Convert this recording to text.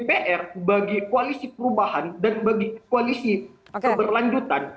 pr bagi koalisi perubahan dan bagi koalisi keberlanjutan